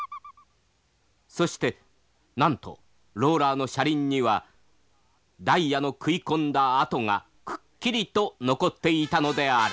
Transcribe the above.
そしてなんとローラーの車輪にはダイヤの食い込んだ跡がくっきりと残っていたのである。